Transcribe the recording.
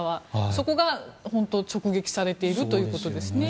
そこが本当に直撃されているということですね。